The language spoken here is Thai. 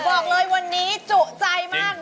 บอกเลยวันนี้จุใจมาก